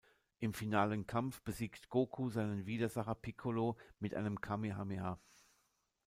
Im finalen Kampf besiegt Goku seinen Widersacher Piccolo mit einem Kamehame-Ha.